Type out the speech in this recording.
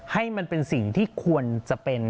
ให้มันเป็นสิ่งที่ควรจะเป็น